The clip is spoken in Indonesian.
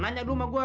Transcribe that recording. nanya dulu sama gua